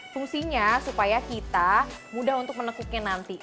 fungsinya supaya kita mudah untuk menekuknya nanti